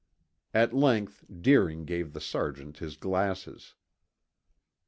At length Deering gave the sergeant his glasses.